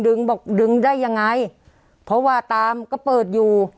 บอกดึงได้ยังไงเพราะว่าตามก็เปิดอยู่